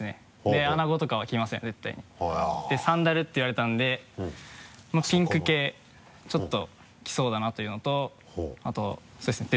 でアナゴとかはきません絶対にでサンダルって言われたんでもうピンク系ちょっときそうだなというのとあとそうですね